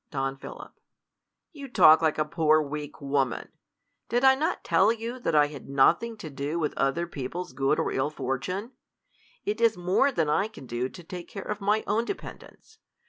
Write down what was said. Don P, You talk like a poor weak woman. Did 1 not tell you that I had nothing to do with other peo ple's good or ill fortune ? It is more than I can do to take care of my own dependants.